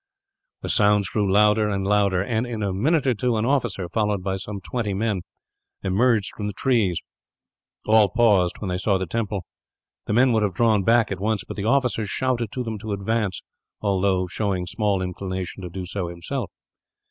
The sounds grew louder and louder; and in a minute or two an officer, followed by some twenty men, emerged from the trees. All paused, when they saw the temple. The men would have drawn back at once; but the officer shouted to them to advance, although showing small inclination to do so, himself.